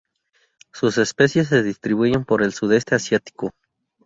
Sus especies se distribuyen por el Sudeste Asiático.